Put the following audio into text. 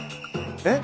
えっ？